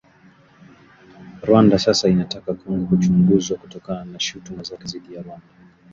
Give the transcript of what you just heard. Rwanda sasa inataka Kongo kuchunguzwa kutokana na shutuma zake dhidi ya Rwanda